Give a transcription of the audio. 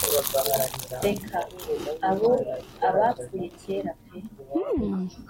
reka abo abapfuye kera pee